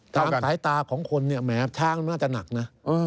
สายตาของคนแหม้ช้างอาจจะหนักนะ